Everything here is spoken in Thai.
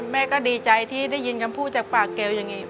แม่ก็ดีใจที่ได้ยินคำพูดจากปากเกลอย่างนี้